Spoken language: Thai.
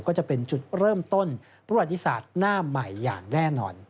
ก็จะเป็นจุดเริ่มต้นประวัติศาสตร์หน้าใหม่อย่างแน่นอน